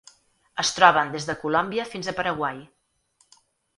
Es troben des de Colòmbia fins a Paraguai.